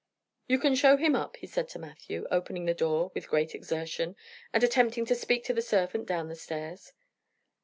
"You can show him up," he said to Matthew, opening the door with great exertion, and attempting to speak to the servant down the stairs.